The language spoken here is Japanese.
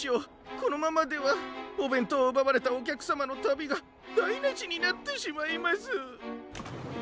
このままではおべんとうをうばわれたおきゃくさまのたびがだいなしになってしまいます。